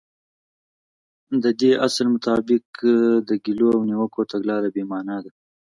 د دې اصل مطابق د ګيلو او نيوکو تګلاره بې معنا ده.